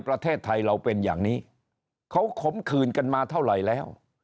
ประเทศไทยเราเป็นอย่างนี้เขาขมขืนกันมาเท่าไหร่แล้ว